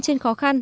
trên khó khăn